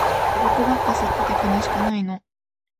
タバコばっか吸ってて悲しくないの